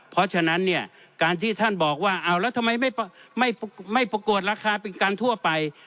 เพราะฉะนั้นเนี่ยการที่ท่านบอกว่าเอาแล้วทำไมไม่ประกวดราคาเป็นการทั่วไป